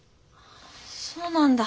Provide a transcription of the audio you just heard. そうなんだ。